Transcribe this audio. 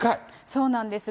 そうなんです。